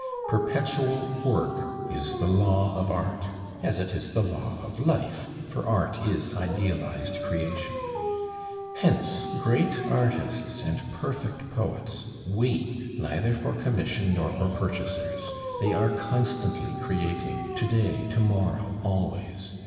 Perpetual work is the law of art, as it is the law of life, for art is idealized creation. Hence great artists and perfect poets wait neither for commission nor for purchasers. They are constantly creating to day, to morrow, always.